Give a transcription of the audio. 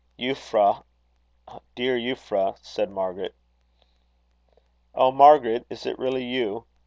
"Euphra! dear Euphra!" said Margaret. "Oh, Margaret! is it really you?"